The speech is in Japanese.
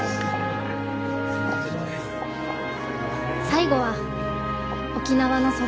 最後は沖縄のそば。